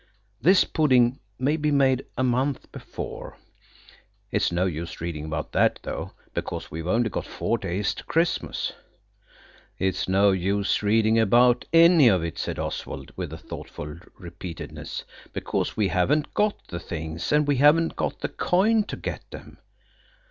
'This pudding may be made a month before'–it's no use reading about that though, because we've only got four days to Christmas." "It's no use reading about any of it," said Oswald, with thoughtful repeatedness, "because we haven't got the things, and we haven't got the coin to get them."